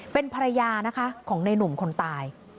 เป็นภรรยานะคะของในหนุ่มคนตาย